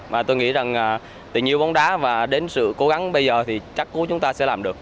và tôi nghĩ rằng từ nhiều bóng đá và đến sự cố gắng bây giờ thì chắc cũng chúng ta sẽ làm được